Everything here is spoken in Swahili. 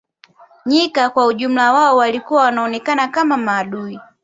Nyika kwa ujumla wao walikuwa wanaonekana kama maadui